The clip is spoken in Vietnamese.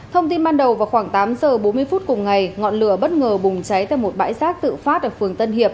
thông tin ban đầu vào khoảng tám giờ bốn mươi phút cùng ngày ngọn lửa bất ngờ bùng cháy tại một bãi xác tự phát